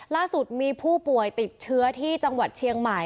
ล่าสุดมีผู้ป่วยติดเชื้อที่จังหวัดเชียงใหม่